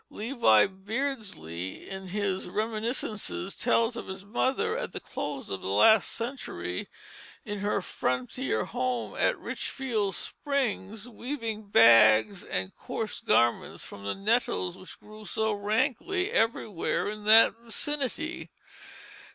Levi Beardsley, in his Reminiscences, tells of his mother at the close of the last century, in her frontier home at Richfield Springs, weaving bags and coarse garments from the nettles which grew so rankly everywhere in that vicinity.